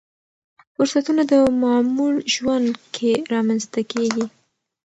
فرصتونه د معمول ژوند کې رامنځته کېږي.